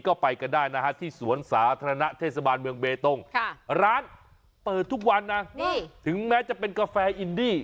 ก็ไปก็ได้ภาษาประธานภิษฐ์ที่ศวรรณาเทศบาลเมืองเบตรงร้านเปิดทุกวันถึงแม้จะเป็นกาแฟอินดี่